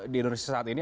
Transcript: di indonesia saat ini